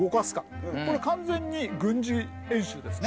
これ完全に軍事演習ですね。